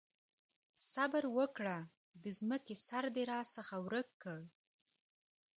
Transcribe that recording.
صبره وکړه! د ځمکې سر دې راڅخه ورک کړ.